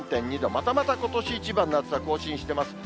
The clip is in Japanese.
またまたことし一番の暑さ更新してます。